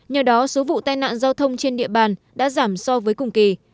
nhờ đó số vụ tai nạn giao thông trên địa bàn đã giảm so với cùng kỳ